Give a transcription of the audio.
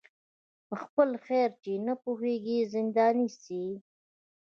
په خپل خیر چي نه پوهیږي زنداني سي